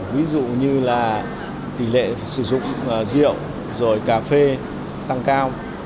ví dụ như là tỷ lệ sử dụng rượu rồi cà phê tăng cao